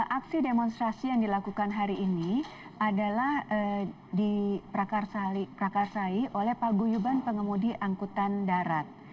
aksi demonstrasi yang dilakukan hari ini adalah diperakarsai oleh pak guyuban pengemudi angkutan darat